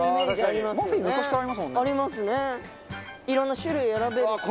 いろんな種類選べるし。